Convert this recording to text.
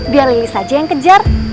biar lilis saja yang kejar